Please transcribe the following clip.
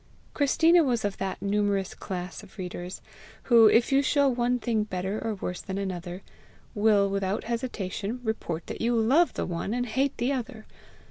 Christina was of that numerous class of readers, who, if you show one thing better or worse than another, will without hesitation report that you love the one and hate the other.